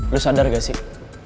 lo sadar gak sih